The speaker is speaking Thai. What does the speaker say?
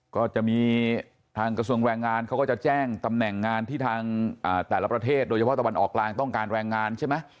ก็จะมีทางกระทรวงแรงงานเขาก็จะแจ้งตำแหน่งงานที่ทางแต่ละประเทศโดยเฉพาะตะวันออกกลางต้องการแรงงานใช่ไหม